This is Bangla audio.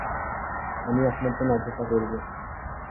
আমি আপনার জন্যে অপেক্ষা করব।